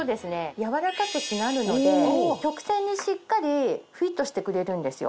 柔らかくしなるので曲線にしっかりフィットしてくれるんですよ。